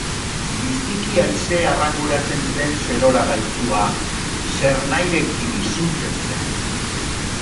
Biziki aise arranguratzen zen serora gaizoa, zernahirekin izutzen zen.